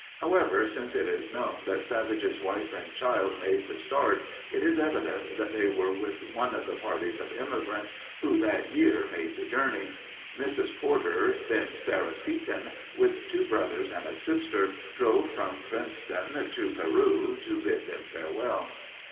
However, since it is known that Savage's wife and child made the start, it is evident that they were with one of the parties of emigrants who, that year, made the journey. Mrs. Porter, then Sarah Seton, with two brothers and a sister drove from Princeton to Peru to bid them farewell.